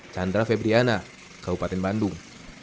chandra febriana keupatan bandung